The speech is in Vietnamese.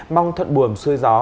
mong thuận buồm xuôi gió